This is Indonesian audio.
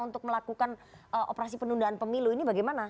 untuk melakukan operasi penundaan pemilu ini bagaimana